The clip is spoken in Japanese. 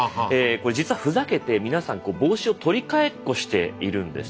実はふざけて皆さん帽子を取り替えっこしているんです。